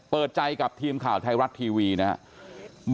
เปิดใจกับทีมข่าวไทยรัฐทีวีนะครับ